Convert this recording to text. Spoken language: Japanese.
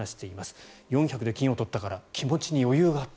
４００ｍで金を取ったから気持ちに余裕があった。